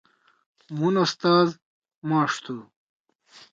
مُھن اوستاز ماݜ تُھو۔